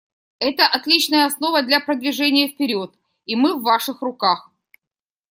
Это отличная основа для продвижения вперед, и мы в Ваших руках.